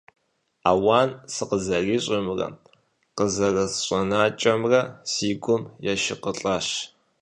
Ауан сыкъызэрищӀымрэ къызэрысщӀэнакӀэмрэ си гум ешыкъылӀащ.